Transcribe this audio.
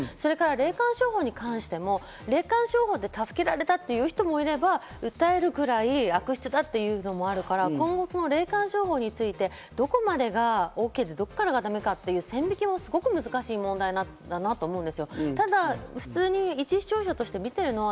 それも難しいし、霊感商法に関しても霊感商法で助けられたという人もいれば、訴えるぐらい悪質だというのもあるから、今後、霊感商法についてどこまでがＯＫでどこまでがダメか、線引きが難しい問題だなと思います。